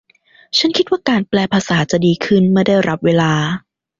ฉันคิดว่าการแปลภาษาจะดีขึ้นเมื่อได้รับเวลา